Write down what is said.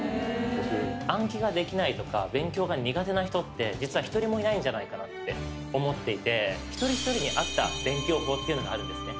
僕暗記ができないとか勉強が苦手な人って実は１人もいないんじゃないかなって思っていて１人１人に合った勉強法っていうのがあるんですね